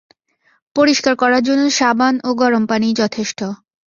পরিষ্কার করার জন্য সাবান ও গরম পানিই যথেষ্ট।